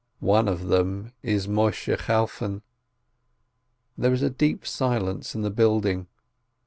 One of them is Moisheh Chalfon. There is a deep silence in the build ing.